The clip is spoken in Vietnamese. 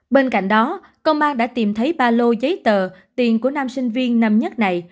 bên cạnh đó công an đã tìm thấy ba lô giấy tờ tiền của nam sinh viên năm nhất này